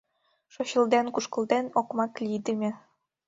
Шочылден-кушкылден окмак лийдыме